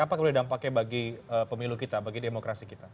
apa kemudian dampaknya bagi pemilu kita bagi demokrasi kita